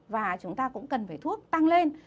và chúng ta cũng cần phải thuốc tăng lên